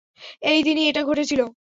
এইদিনই এটা ঘটেছিলো!